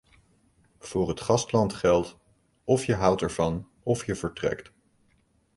Voor het gastland geldt: of je houdt ervan, of je vertrekt.